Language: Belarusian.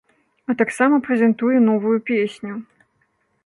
А таксама прэзентуе новую песню.